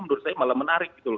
menurut saya malah menarik gitu loh